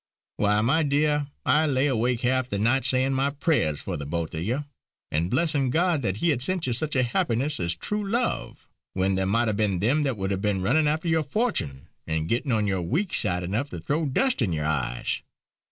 Why, my dear, I lay awake half the night sayin' my prayers for the both of you, and blessin' God that He had sent you such a happiness as true love; when there might have been them that would have ben runnin' after your fortun' and gettin' on your weak side enough to throw dust in your eyes.